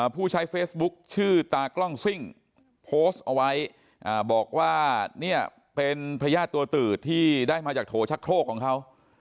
ผู้ใช้เฟซบุ๊คชื่อตากล้องซิ่งโพสต์เอาไว้บอกว่าเนี่ยเป็นพญาติตัวตืดที่ได้มาจากโถชักโครกของเขา